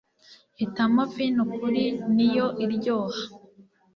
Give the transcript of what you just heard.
hitamo vino kuri niyo iryoha